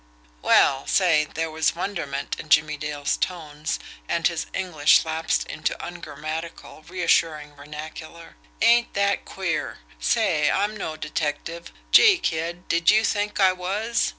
"Well, say" there was wonderment in Jimmie Dale's tones, and his English lapsed into ungrammatical, reassuring vernacular "ain't that queer! Say, I'm no detective. Gee, kid, did you think I was?